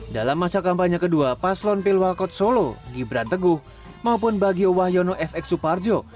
dalam masa kampanye kedua paslon pilwakot solo gibran teguh maupun bagio wahyono fx suparjo